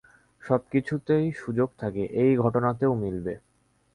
সবকিছুতই সুযোগ থাকে, এই ঘটনাতেও মিলবে।